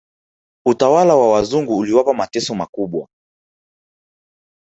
Utawala wa wazungu uliwapa mateso makubwa